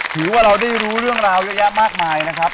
ถือว่าเราได้รู้เรื่องราวเยอะแยะมากมายนะครับ